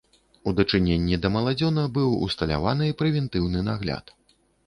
У дачыненні да маладзёна быў усталяваны прэвентыўны нагляд.